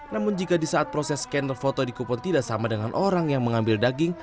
namun jika di saat proses scanner foto di kupon tidak sama dengan orang yang mengambil daging